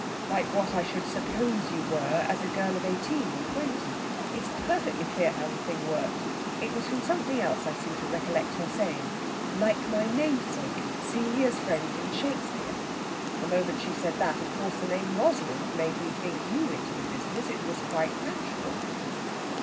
"Like what I should suppose you were as a girl of eighteen or twenty. It's perfectly clear how the thing worked. It was from something else I seem to recollect her saying, 'Like my namesake, Celia's friend in Shakespeare.' The moment she said that, of course the name Rosalind made me think you into the business. It was quite natural."